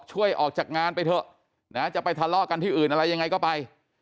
ช่วยออกจากงานไปเถอะนะจะไปทะเลาะกันที่อื่นอะไรยังไงก็ไป